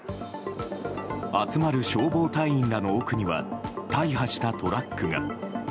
集まる消防隊員らの奥には大破したトラックが。